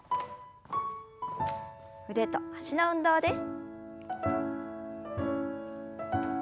腕と脚の運動です。